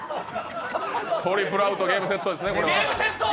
トリプルアウト、ゲームセットですね。